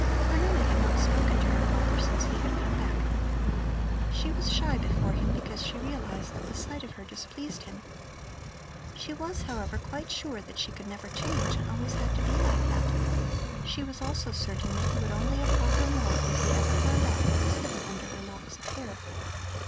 Cornelli had not spoken to her father since he had come back. She was shy before him, because she realized that the sight of her displeased him. She was, however, quite sure that she could never change and always had to be like that. She was also certain that he would only abhor her more if he ever found out what was hidden under her locks of hair.